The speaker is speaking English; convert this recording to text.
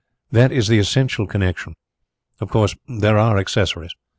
That is the essential connexion. Of course, there are accessories.